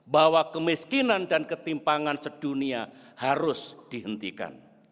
bahwa kemiskinan dan ketimpangan sedunia harus dihentikan